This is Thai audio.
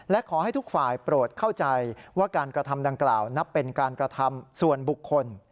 และขอให้ทุกฝ่ายโปรดเข้าใจว่าการกระทำดังกล่าวนับเป็นการกระทำส่วนบุคคล